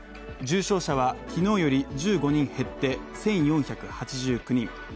重症者は昨日より１５人減って１４８９人。